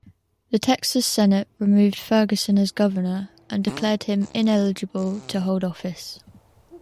The Texas Senate removed Ferguson as governor and declared him ineligible to hold office.